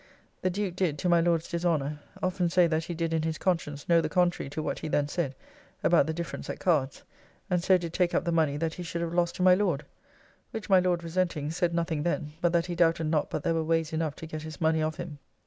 The Duke did, to my Lord's dishonour, often say that he did in his conscience know the contrary to what he then said, about the difference at cards; and so did take up the money that he should have lost to my Lord. Which my Lord resenting, said nothing then, but that he doubted not but there were ways enough to get his money of him.